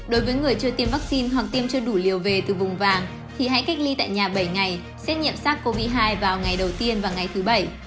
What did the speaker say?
đối với người chưa tiêm vaccine hoặc tiêm chưa đủ liều về từ vùng vàng thì hãy cách ly tại nhà bảy ngày xét nghiệm sars cov hai vào ngày đầu tiên và ngày thứ bảy